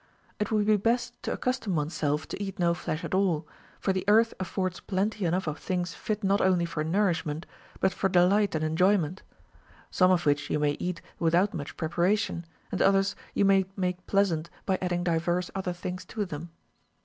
It would be best to accus tom one's self to eat no flesh at all, for the earth affords plenty enough of things fit not only for nourishment, but RULES FOR THE PRESERVATION OF HEALTH. 269 for delight and enjoyment ; some of which you may eat without much preparation, and others you may make pleasant hy adding divers other things to them.